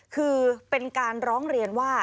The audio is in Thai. คือเป็นการร้องเรียนว่า